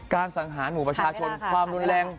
การสังหารหมู่ประชาชน